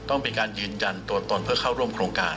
ต้องเป็นการยืนยันตัวตนเพื่อเข้าร่วมโครงการ